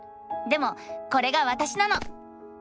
でもこれがわたしなの！